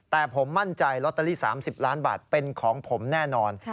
แต่ผมมั่นใจลอตเตอรี่๓๐ล้านบาทเป็นของผมแน่นอน